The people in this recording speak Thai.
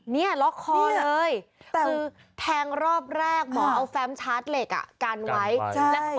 นี่ล็อกคอเลยคือแทงรอบแรกหมอเอาแฟมชาร์จเหล็กกันไว้